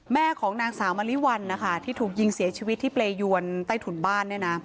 แม่ของนางสาวมะลิวัลนะคะที่ถูกยิงเสียชีวิตที่เปรยวนใต้ถุนบ้าน